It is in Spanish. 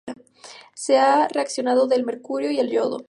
Se hace reaccionando el mercurio y el yodo.